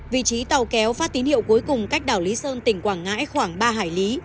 vị trí tàu kéo phát tín hiệu cuối cùng cách đảo lý sơn tỉnh quảng ngãi khoảng ba hải lý